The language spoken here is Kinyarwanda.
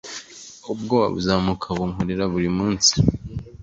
Ubwoba Buzamuka bunkorera burimunsi